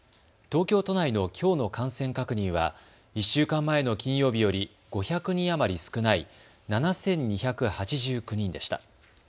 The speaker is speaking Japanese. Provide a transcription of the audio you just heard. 東京都内のきょうの感染確認は１週間前の金曜日より５００人余り少ない７２８９人でした。